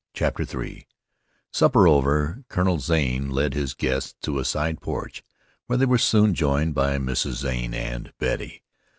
CHAPTER III Supper over, Colonel Zane led his guests to a side porch, where they were soon joined by Mrs. Zane and Betty.